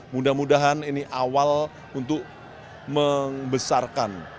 mudah mudahan ini awal untuk membesarkan